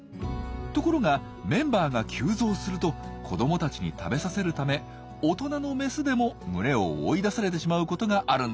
ところがメンバーが急増すると子どもたちに食べさせるため大人のメスでも群れを追い出されてしまうことがあるんです。